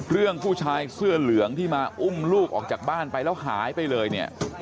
ผู้ชายเสื้อเหลืองที่มาอุ้มลูกออกจากบ้านไปแล้วหายไปเลยเนี่ย